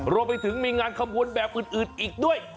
รวมไปถึงมีงานขบวนแบบอื่นอีกด้วย